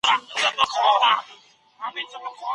ایا ته غواړې چي یو رښتینی څېړونکی سې؟